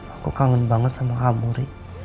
aku kangen banget sama kamu ri